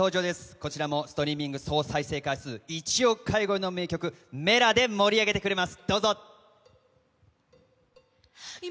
こちらもストリーミング総再生数１億回超えの代表曲Ｍｅｌａ！で盛り上げてくれます。